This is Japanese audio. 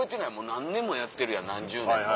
何年もやってるやん何十年も。